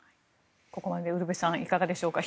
ここまでウルヴェさんいかがですか？